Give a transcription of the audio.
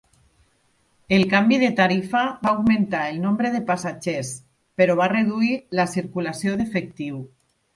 El canvi de tarifa va augmentar el nombre de passatgers però va reduir la circulació d'efectiu.